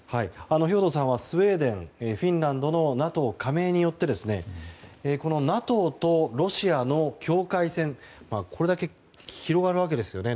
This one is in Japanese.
兵頭さんはスウェーデン、フィンランドのＮＡＴＯ加盟によってＮＡＴＯとロシアの境界線これだけ広がるわけですよね